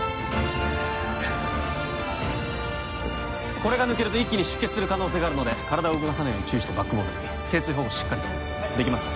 これが抜けると一気に出血する可能性があるので体を動かさないように注意してバックボードに頸椎保護しっかりとできますか？